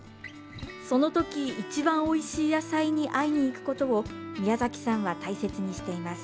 そのとき一番おいしい野菜に会いに行くことを宮崎さんは大切にしています。